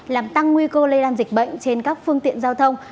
làm tăng nguy cơ lây lan dịch bệnh trên các phương tiện giao thông